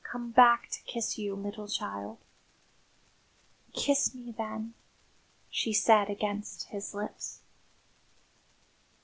I've come back to kiss you, little child." "Kiss me, then," she said against his lips.